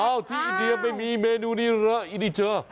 ที่อินเดียไม่มีเมนูนี้เหรออินิเจอร์